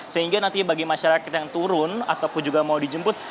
sehingga nantinya bagi masyarakat yang turun ataupun juga mau dijemput